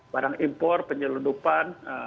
barang impor penyeludupan